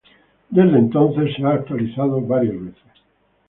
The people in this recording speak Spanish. Desde entonces se ha actualizado varias veces.